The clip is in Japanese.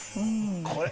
これ。